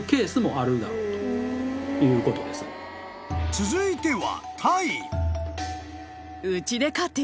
［続いては］